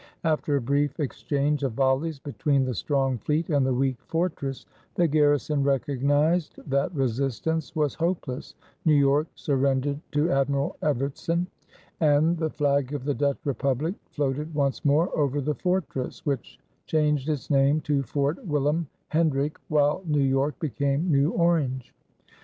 After a brief exchange of volleys between the strong fleet and the weak fortress, the garrison recognized that resistance was hopeless, New York surrendered to Admiral Evertsen, and the flag of the Dutch Republic floated once more over the fortress, which changed its name to Fort Willem Hendrick while New York became New Orange.